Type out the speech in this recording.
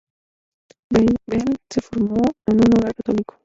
Belle se formó en un hogar católico.